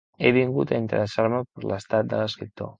He vingut a interessar-me per l'estat de l'escriptor.